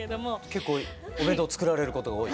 結構お弁当作られることが多い？